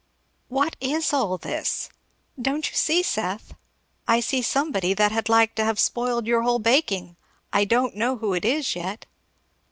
"What is all this?" "Don't you see, Seth?" "I see somebody that had like to have spoiled your whole baking I don't know who it is, yet."